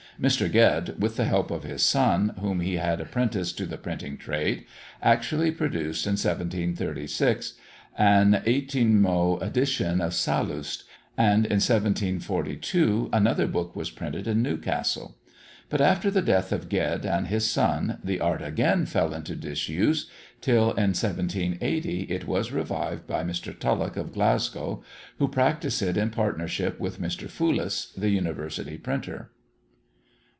Mr. Ged, with the help of his son, whom he had apprenticed to the printing trade, actually produced, in 1736, an 18mo edition of Sallust; and in 1742 another book was printed in Newcastle. But after the death of Ged and his son, the art again fell into disuse, till in 1780 it was revived by Mr. Tulloch of Glasgow, who practised it in partnership with Mr. Foulis, the University printer.